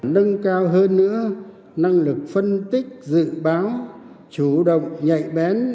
nâng cao hơn nữa năng lực phân tích dự báo chủ động nhạy bén